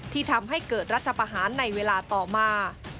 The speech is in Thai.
ทำให้เกิดรัฐประหารในเวลาต่อมา